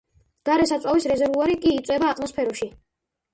გარე საწვავის რეზერვუარი კი იწვება ატმოსფეროში.